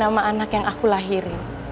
sama anak yang aku lahirin